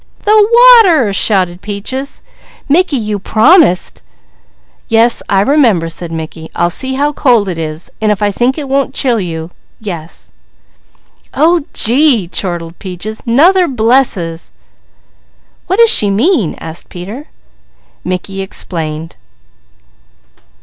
"The water!" shouted Peaches. "Mickey, you promised " "Yes I remember," said Mickey. "I'll see how cold it is and if I think it won't chill you yes." "Oh gee!" chortled Peaches. "'Nother blesses!" "What does she mean?" asked Peter. Mickey explained.